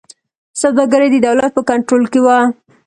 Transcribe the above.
سوداګري د دولت په کنټرول کې وه.